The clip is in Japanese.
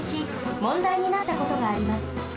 もんだいになったことがあります。